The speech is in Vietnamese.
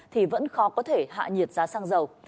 thì vẫn khó có thể hạ nhiệt giá xăng dầu